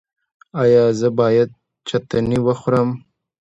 ایا زه باید چتني وخورم؟